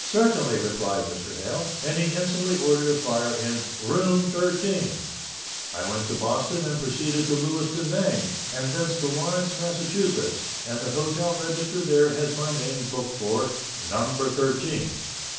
"Certainly," replied Mr. Hale, and he instantly ordered a fire in "room thirteen!" I went to Boston and proceeded to Lewiston, Maine, and thence to Lawrence, Massachusetts, and the hotel register there has my name booked for "number thirteen."